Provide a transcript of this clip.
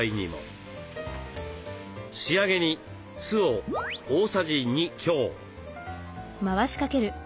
仕上げに酢を大さじ２強。